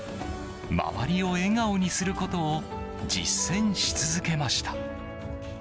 周りを笑顔にすることを実践し続けました。